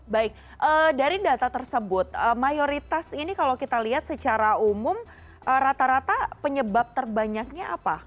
baik dari data tersebut mayoritas ini kalau kita lihat secara umum rata rata penyebab terbanyaknya apa